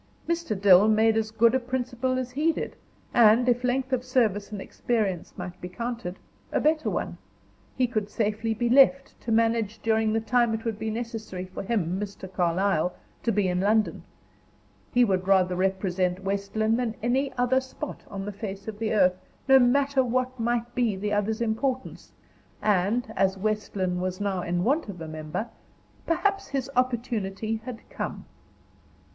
Mr. Dill made as good a principal as he did, and if length of service and experience might be counted a better one. He could safely be left to manage during the time it would be necessary for him, Mr. Carlyle, to be in London. He would rather represent West Lynne than any other spot on the face of the earth, no matter what might be the other's importance; and, as West Lynne was now in want of a member, perhaps his opportunity had come.